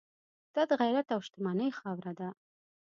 دا د غیرت او شتمنۍ خاوره ده.